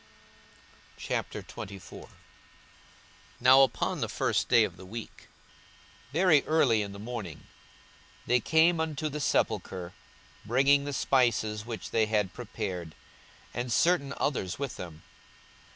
42:024:001 Now upon the first day of the week, very early in the morning, they came unto the sepulchre, bringing the spices which they had prepared, and certain others with them.